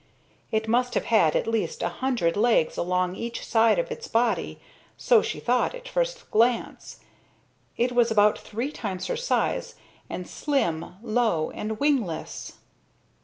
It must have had at least a hundred legs along each side of its body so she thought at first glance. It was about three times her size, and slim, low, and wingless.